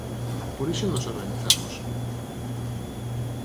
Por iso nos organizamos.